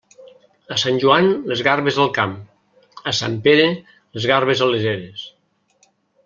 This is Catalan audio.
A Sant Joan, les garbes al camp; a Sant Pere, les garbes a les eres.